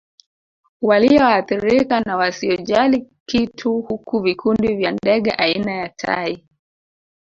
Walioathirika na wasiojali kitu huku vikundi vya ndege aina ya tai